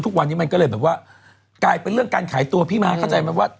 ทุกวันนี้มันก็เลยแบบว่ากลายเป็นเรื่องการขายตัวพี่ม้าเข้าใจไหมว่า